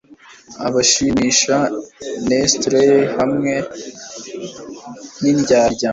abashimisha nestle hamwe nindyarya